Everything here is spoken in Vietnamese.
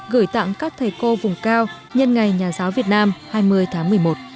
gửi tặng các thầy cô vùng cao nhân ngày nhà giáo việt nam hai mươi tháng một mươi một